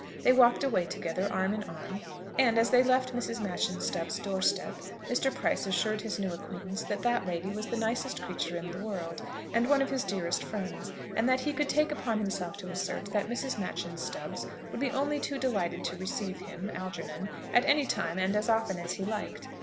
They walked away together, arm in arm, and, as they left Mrs. Machyn Stubbs's doorstep, Mr. Price assured his new acquaintance that that lady was the nicest creature in the world, and one of his dearest friends; and that he could take upon himself to assert that Mrs. Machyn Stubbs would be only too delighted to receive him (Algernon) at any time and as often as he liked.